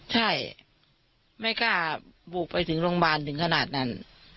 ใช่ไม่กล้าบุกไปถึงโรงพยาบาลถึงขนาดนั้น